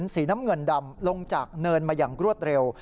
สีน้ำเงินดำลงจากเนินมาอย่างรวดเร็ว